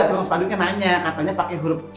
cuman sepandungnya nanya katanya pake huruf c